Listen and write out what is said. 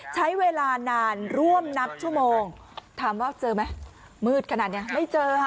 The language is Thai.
ใช้เวลานานร่วมนับชั่วโมงถามว่าเจอไหมมืดขนาดนี้ไม่เจอค่ะ